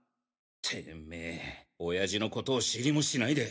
てんめェ親父のことを知りもしないで。